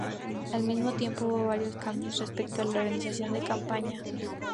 Al mismo tiempo, hubo varios cambios respecto a la organización de campaña.